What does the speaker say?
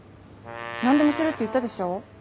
何でもするって言ったでしょ。